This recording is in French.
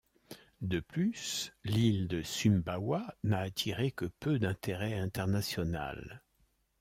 De plus, l'île de Sumbawa n'a attiré que peu d'intérêt international.